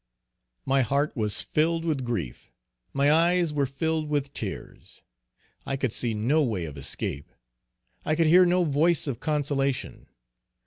My heart was filled with grief my eyes were filled with tears. I could see no way of escape. I could hear no voice of consolation.